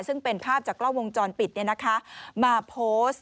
ซึ่งเป็นภาพจากกล้องวงจรปิดมาโพสต์